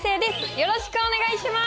よろしくお願いします！